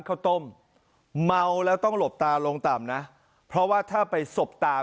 ข้าวต้มเมาแล้วต้องหลบตาลงต่ำนะเพราะว่าถ้าไปสบตา